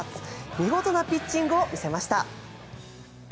見事なピッチングを見せました。